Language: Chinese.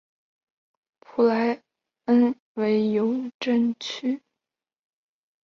普莱恩维尤镇区为美国堪萨斯州菲利普斯县辖下的镇区。